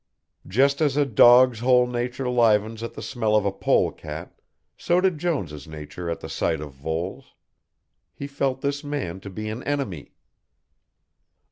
Just as a dog's whole nature livens at the smell of a pole cat, so did Jones' nature at the sight of Voles. He felt this man to be an enemy.